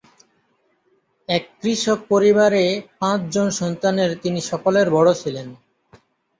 এক কৃষক পরিবারে পাঁচজন সন্তানের তিনি সকলের বড়ো ছিলেন।